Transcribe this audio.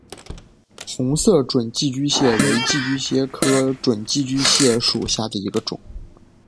红色准寄居蟹为寄居蟹科准寄居蟹属下的一个种。